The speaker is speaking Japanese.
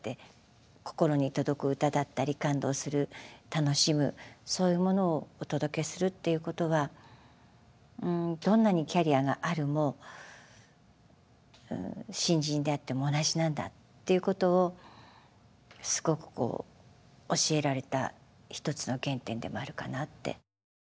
心に届く歌だったり感動する楽しむそういうものをお届けするっていうことはどんなにキャリアがあるも新人であっても同じなんだっていうことをすごくこう教えられた１つの原点でもあるかなって。